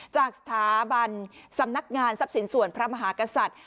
จากสถาบันสำนักงานทรัพย์สินส่วนพระมหากษัตริย์